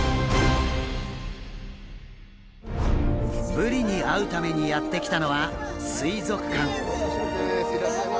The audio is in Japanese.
ブリに会うためにやって来たのは水族館。